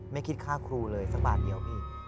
ไม่คิดค่าครูเลยสักบาทเดียวพี่